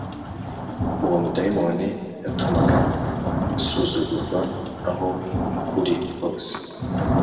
Uwo mudayimoni yatumaga usuzugurwa aho uri hose